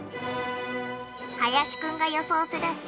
林くんが予想する玉ねぎ。